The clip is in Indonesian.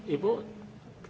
di bus jalan